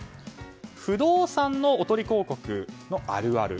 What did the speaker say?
不動産のおとり広告のあるある。